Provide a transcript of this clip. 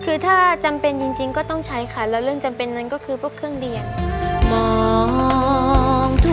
คือถ้าจำเป็นจริงก็ต้องใช้ค่ะแล้วเรื่องจำเป็นนั้นก็คือพวกเครื่องเรียน